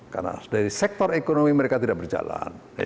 karena dari sektor ekonomi mereka tidak berjalan